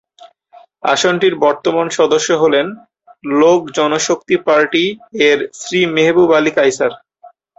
আসনটির বর্তমান সংসদ সদস্য হলেন লোক জনশক্তি পার্টি-এর শ্রী মেহবুব আলী কায়সার।